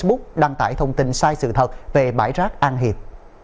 công an tp hcm đã đăng tải thông tin sai sự thật về bãi rác an hiệp